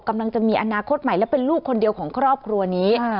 กำลังจะมีอนาคตใหม่และเป็นลูกคนเดียวของครอบครัวนี้